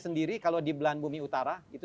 sendiri kalau di belahan bumi utara itu